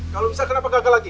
kalau bisa kenapa gagal lagi